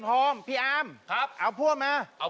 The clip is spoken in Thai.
พรุ่งนี้๕สิงหาคมจะเป็นของใคร